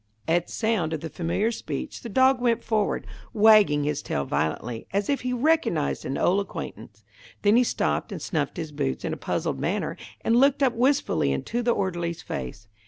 At sound of the familiar speech, the dog went forward, wagging his tail violently, as if he recognised an old acquaintance. Then he stopped and snuffed his boots in a puzzled manner, and looked up wistfully into the orderly's face.